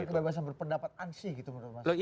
itu bukan kebebasan berpendapatan sih gitu menurut mas